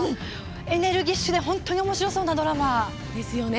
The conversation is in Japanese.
エネルギッシュで本当におもしろそうなドラマですよね。